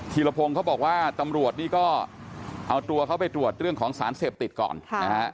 ีรพงศ์เขาบอกว่าตำรวจนี่ก็เอาตัวเขาไปตรวจเรื่องของสารเสพติดก่อนนะฮะ